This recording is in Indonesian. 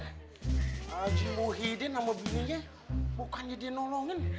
haji muhyiddin sama bininya bukannya dinolongin